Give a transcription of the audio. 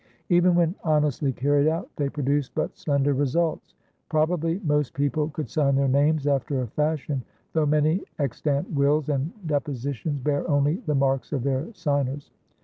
Even when honestly carried out, they produced but slender results. Probably most people could sign their names after a fashion, though many extant wills and depositions bear only the marks of their signers.